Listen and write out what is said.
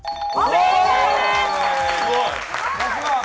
正解です。